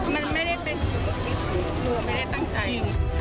มันไม่ได้เป็นศุภิษฐ์หรือไม่ได้ตั้งใจ